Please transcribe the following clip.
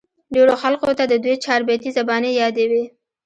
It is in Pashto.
ډېرو خلقو ته د دوي چاربېتې زباني يادې وې